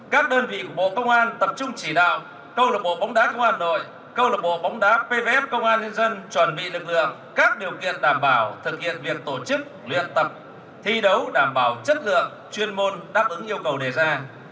các đơn vị của bộ công an tập trung chỉ đạo câu lạc bộ bóng đá công an hà nội câu lạc bộ bóng đá pvf công an nhân dân chuẩn bị lực lượng các điều kiện đảm bảo thực hiện việc tổ chức luyện tập thi đấu đảm bảo chất lượng chuyên môn đáp ứng yêu cầu đề ra